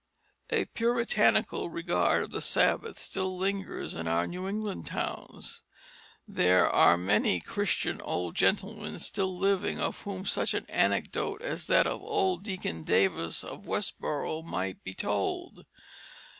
A Puritanical regard of the Sabbath still lingers in our New England towns. There are many Christian old gentlemen still living of whom such an anecdote as this of old Deacon Davis of Westborough might be told.